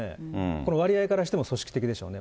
この割合からしても組織的でしょうね。